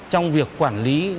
trong việc quản lý